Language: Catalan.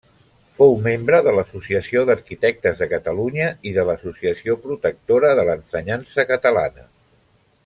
Fou membre de l’Associació d’Arquitectes de Catalunya i de l’Associació Protectora de l’Ensenyança Catalana.